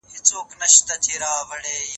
سوله غواړو.